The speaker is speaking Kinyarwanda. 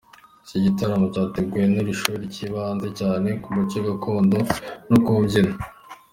Iki gitaramo cyateguwe n’iri shuri cyibanze cyane ku muco gakondo no ku mbyino.